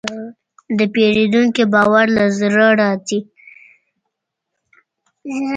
د پیرودونکي باور له زړه راځي.